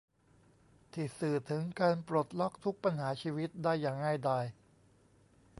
ที่สื่อถึงการปลดล็อกทุกปัญหาชีวิตได้อย่างง่ายดาย